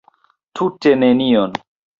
Tute nenion.